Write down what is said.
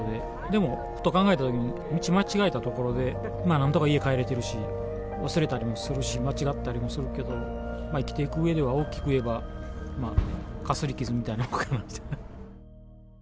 でも、ふと考えたときに、道間違えたところで、まあ、なんとか家帰れてるし、忘れたりもするし、間違ったりもするけど、生きていくうえでは、大きく言えば、かすり傷みたいなもんかなと。